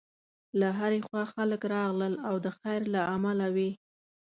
له هرې خوا خلک راغلل او د خیر له امله وې.